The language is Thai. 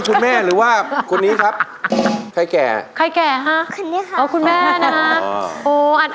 ใช่ไหมคะโอ้โฮ